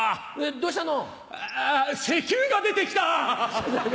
どうしたの？